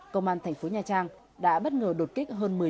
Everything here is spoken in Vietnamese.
công an thành phố nha trang đã bất ngờ đột kích hơn một mươi đối tượng